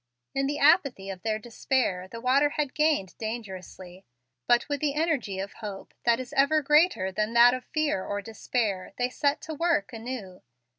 In the apathy of their despair the water had gained dangerously; but with the energy of hope, that is ever greater than that of fear or despair, they set to work anew.